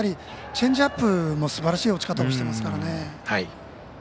チェンジアップもすばらしい落ち方をしてますからね。